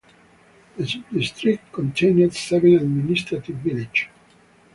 The subdistrict contained seven administrative villages.